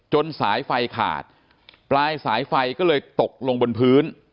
สายไฟขาดปลายสายไฟก็เลยตกลงบนพื้น